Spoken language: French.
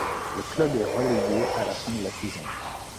Le club est relégué à la fin de la saison.